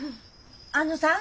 あのさぁ。